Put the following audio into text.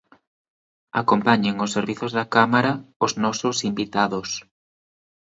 Acompañen os servizos da Cámara os nosos invitados.